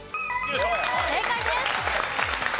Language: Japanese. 正解です。